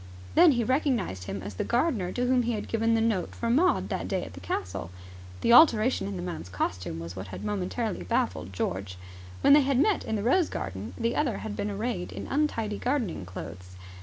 Then he recognized him as the gardener to whom he had given the note for Maud that day at the castle. The alteration in the man's costume was what had momentarily baffled George. When they had met in the rose garden, the other had been arrayed in untidy gardening clothes.